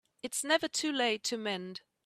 It's never too late to mend